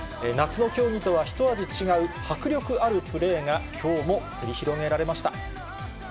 夏の競技とは一味違う迫力あるプレーが、きょうも繰り広げられま